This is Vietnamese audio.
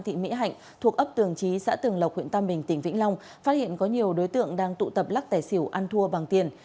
thị mỹ hạnh thuộc ấp tường trí xã tường lộc huyện tam bình tỉnh vĩnh long phát hiện có nhiều đối tượng đang tụ tập lắc tài xỉu ăn thua bằng tiền